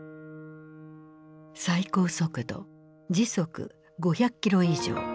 最高速度時速５００キロ以上。